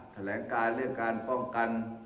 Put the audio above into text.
แถลงการเรื่องการป้องกัน